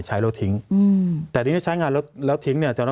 ใช้แล้วทิ้ง